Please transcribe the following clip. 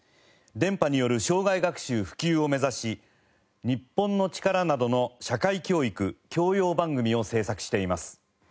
電波による生涯学習普及を目指し『日本のチカラ』などの社会教育教養番組を制作しています。